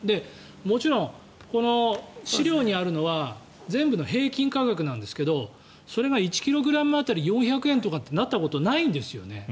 もちろんこの資料にあるのは全部の平均価格なんですけどそれが１ｋｇ当たり４００円ってなったことないんですよね。